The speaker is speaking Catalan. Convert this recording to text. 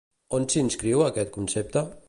On s'inscriu aquest concepte?